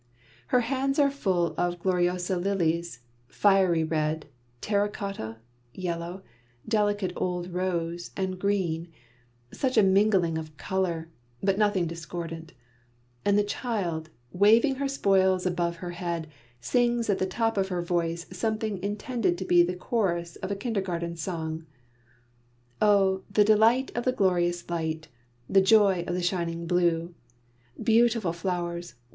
Her hands are full of Gloriosa lilies, fiery red, terra cotta, yellow, delicate old rose and green such a mingling of colour, but nothing discordant and the child, waving her spoils above her head, sings at the top of her voice something intended to be the chorus of a kindergarten song: Oh, the delight of the glorious light! The joy of the shining blue! Beautiful flowers!